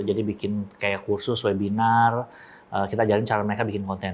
jadi kita membuat kursus webinar kita ajarkan cara mereka membuat konten